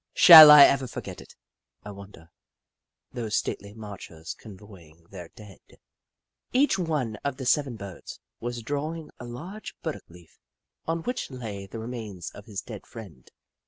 Shall I ever forget it, I wonder — those stately marchers convoying their dead ? Each one of the seven Birds was drawing a large Jim Crow 125 burdock leaf, on which lay the remains of his dead friend.